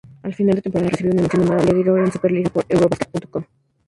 A final de temporada recibió una "mención honorable" Georgian Super Liga por "Eurobasket.com".